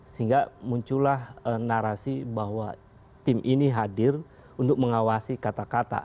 sehingga muncullah narasi bahwa tim ini hadir untuk mengawasi kata kata